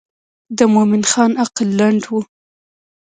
د مومن خان عقل لنډ و.